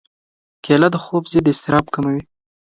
کېله د خوب ضد اضطراب کموي.